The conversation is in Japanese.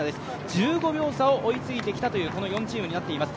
１５秒差を追いついてきたというこの４チームになっています。